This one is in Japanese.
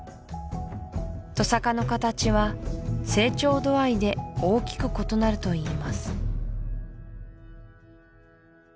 トサカの形は成長度合いで大きく異なるといいます